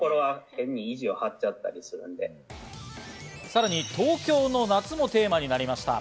さらに東京の夏もテーマになりました。